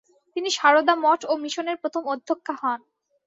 তিনি সারদা মঠ ও মিশনের প্রথম অধ্যক্ষা হন।